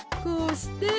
こうして。